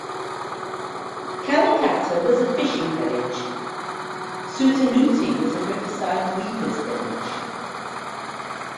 Kalikata was a fishing village; Sutanuti was a riverside weavers' village.